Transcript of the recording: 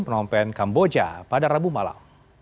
penompen kamboja pada rabu malam